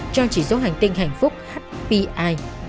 cho chỉ số hành tinh hạnh phúc hpi